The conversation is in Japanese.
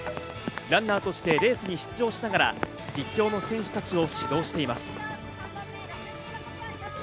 ランナーとしてレースに出場しながら立教の選手たちを指導しています。